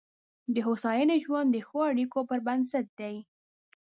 د هوساینې ژوند د ښو اړیکو پر بنسټ دی.